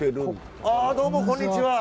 あどうもこんにちは！